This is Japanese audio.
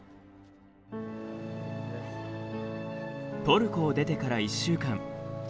トルコを出てから１週間。